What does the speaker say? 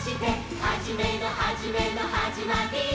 「はじめのはじめのはじまりの」